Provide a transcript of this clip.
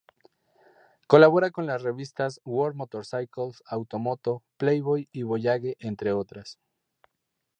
Colabora con las revistas: World Motorcycles, Auto Moto, Playboy, y Voyage, entre otras.